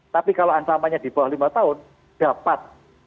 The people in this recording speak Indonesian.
tapi kalau ancamannya di bawah lima tahun dapat